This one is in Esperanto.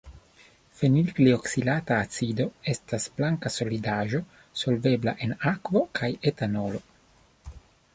Fenilglioksilata acido estas blanka solidaĵo, solvebla en akvo kaj etanolo.